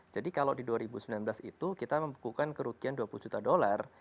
kalau di dua ribu sembilan belas itu kita membukukan kerugian dua puluh juta dolar